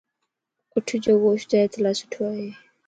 اُٺَ جو گوشت صحت لا سٺو ائي.